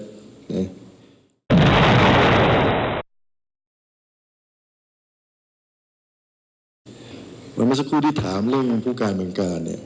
วันเมื่อสักครู่ที่ถามเรื่องผู้การเมืองกราศน์